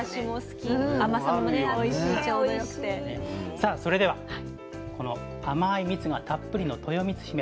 さあそれではこの甘い蜜がたっぷりのとよみつひめ。